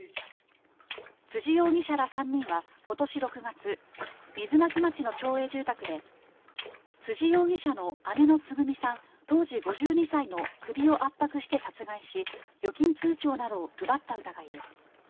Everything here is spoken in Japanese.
辻容疑者ら３人は、ことし６月、水巻町の町営住宅で、辻容疑者の姉のつぐみさん当時５２歳の首を圧迫して殺害し、預金通帳などを奪った疑いです。